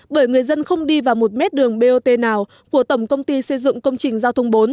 bởi người dân không đi vào một mét đường bot nào của tổng công ty xây dựng công trình giao thông bốn